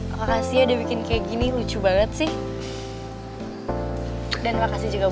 aku mau ngejalanin hubungan cinta sama kamu